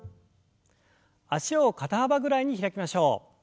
脚を肩幅ぐらいに開きましょう。